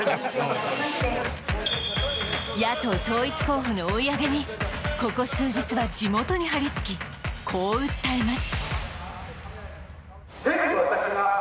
野党統一候補の追い上げにここ数日は地元に張り付きこう、訴えます。